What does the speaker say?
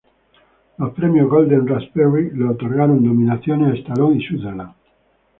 Los Premios Golden Raspberry le otorgaron nominaciones a Stallone y a Sutherland.